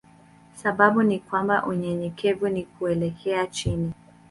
Sababu ni kwamba unyenyekevu ni kuelekea chini.